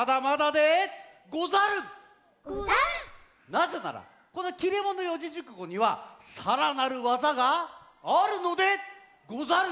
なぜならこの「切れ者四字熟語」にはさらなるわざがあるのでござる！